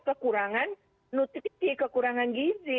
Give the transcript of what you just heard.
kekurangan nutrisi kekurangan gizi